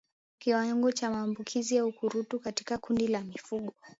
Kiwango cha maambukizi ya ukurutu katika kundi la mifugo